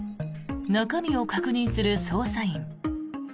中身を確認する捜査員。